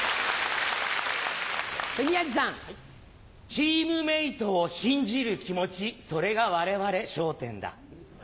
チームメートを信じる気持ちそれが我々『笑点』だ。